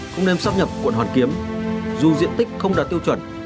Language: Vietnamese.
không nên xác nhập quận hoàn kiếm dù diện tích không đạt tiêu chuẩn